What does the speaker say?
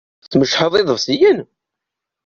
Tmeččḥeḍ iḍebsiyen?